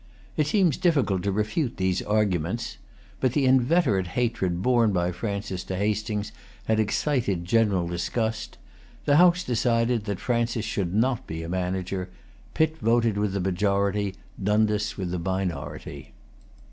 It seems difficult to refute these arguments. But the inveterate hatred borne by Francis to Hastings had excited general disgust. The House decided that Francis should not be a manager. Pitt voted with the majority, Dundas with the minority.